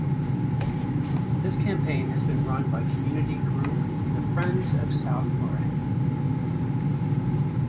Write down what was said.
This campaign has been run by community group the Friends of South Morang.